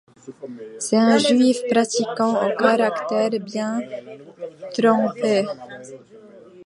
C'est un juif pratiquant au caractère bien trempé.